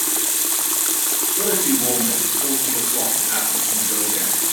Will it be warmer at fourteen o'clock in Atlas Mongolia